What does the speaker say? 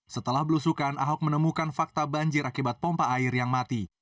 setelah belusukan ahok menemukan fakta banjir akibat pompa air yang mati